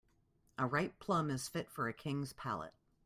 A ripe plum is fit for a king's palate.